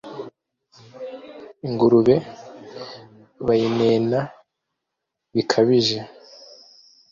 Ingurube bayinena bikabije,